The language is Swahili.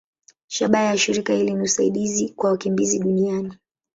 Shabaha ya shirika hili ni usaidizi kwa wakimbizi duniani.